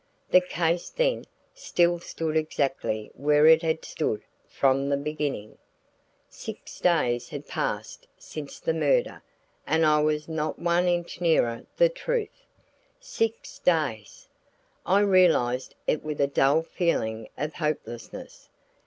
The case, then, still stood exactly where it had stood from the beginning. Six days had passed since the murder and I was not one inch nearer the truth. Six days! I realized it with a dull feeling of hopelessness.